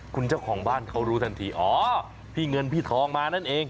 คุณเจ้าของบ้านเขารู้ทันทีอ๋อพี่เงินพี่ทองมานั่นเอง